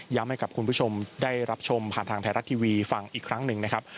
ให้กับคุณผู้ชมได้รับชมผ่านทางไทยรัฐทีวีฟังอีกครั้งหนึ่งนะครับ